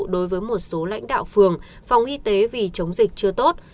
đối với một số lãnh đạo phường phòng y tế vì chống dịch chưa tốt